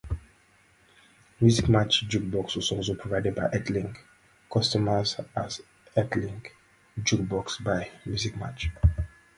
Musicmatch Jukebox was also provided to Earthlink customers as Earthlink Jukebox by Musicmatch.